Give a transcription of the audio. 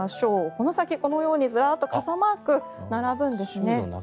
この先、このようにずらっと傘マークが並ぶんですね。